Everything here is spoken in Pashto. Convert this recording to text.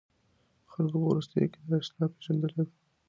خلګو په وروستيو کې دا اصطلاح پېژندلې ده.